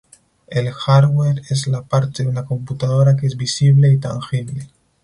El hardware es la parte de una computadora que es visible y tangible.